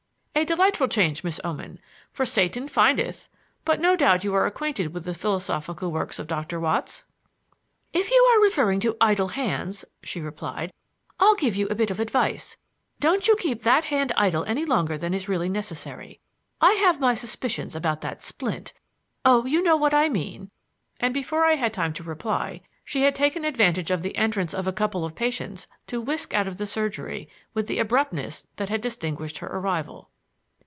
"A delightful change, Miss Oman. 'For Satan findeth' but no doubt you are acquainted with the philosophical works of Dr. Watts?" "If you are referring to 'idle hands,'" she replied, "I'll give you a bit of advice. Don't you keep that hand idle any longer than is really necessary. I have my suspicions about that splint oh, you know what I mean," and before I had time to reply, she had taken advantage of the entrance of a couple of patients to whisk out of the surgery with the abruptness that had distinguished her arrival.